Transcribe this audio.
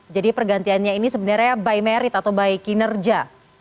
pergantiannya ini sebenarnya by merit atau by kinerja